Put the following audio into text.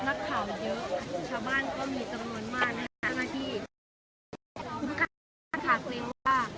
ทุกคนค่ะถามเรียกว่าตรงไหน